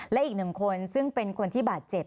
และอีกหนึ่งคนซึ่งเป็นคนที่บาดเจ็บ